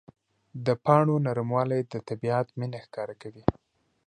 د پاڼو نرموالی د طبیعت مینه ښکاره کوي.